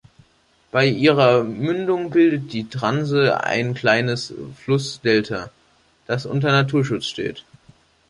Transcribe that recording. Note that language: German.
Bei ihrer Mündung bildet die Dranse ein kleines Flussdelta, das unter Naturschutz steht.